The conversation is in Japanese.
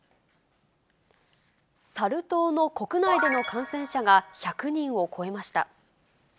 サル痘の国内での感染者が１００人を超えました。